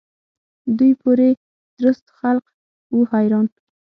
دوی پوري درست خلق وو حیران.